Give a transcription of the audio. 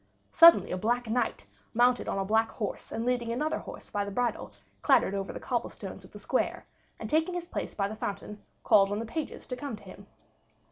Suddenly a black knight, mounted on a black horse and leading another horse by the bridle, clattered over the cobble stones of the square, and taking his place by the fountain, called on the pages to come to him.